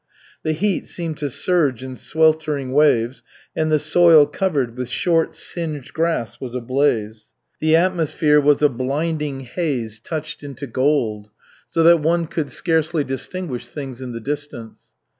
The heat seemed to surge in sweltering waves and the soil covered with short, singed grass was ablaze. The atmosphere was a blinding haze touched into gold, so that one could scarcely distinguish things in the distance.